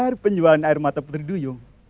hari penjualan air mata putri duyung